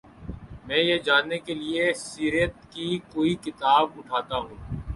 میں یہ جاننے کے لیے سیرت کی کوئی کتاب اٹھاتا ہوں۔